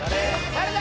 誰だ？